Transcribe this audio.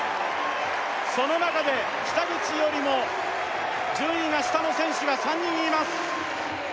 その中で北口よりも順位が下の選手が３人います